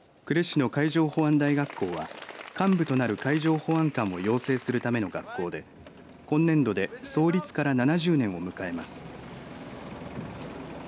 呉市の海上保安大学校は幹部となる海上保安官を養成するための学校で今年度で創立から７０年を迎えます。